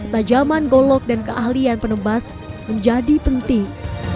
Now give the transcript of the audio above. tajaman golok dan keahlian penebas menjadi penting